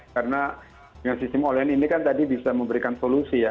karena dengan sistem online ini kan tadi bisa memberikan solusi ya